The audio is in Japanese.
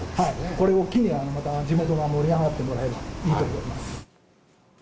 これを機に、また地元が盛り上がってもらえるといいと思います。